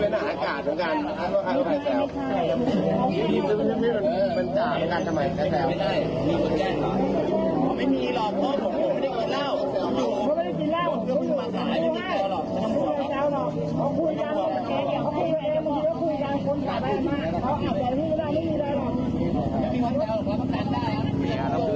มันไงมันทำแซวหรอ